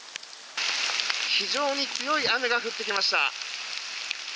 非常に強い雨が降ってきました。